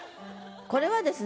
これはですね